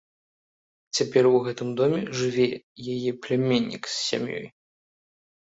Цяпер у гэтым доме жыве яе пляменнік з сям'ёй.